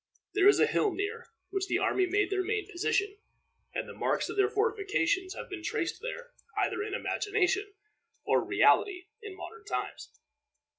There is a hill near, which the army made their main position, and the marks of their fortifications have been traced there, either in imagination or reality, in modern times.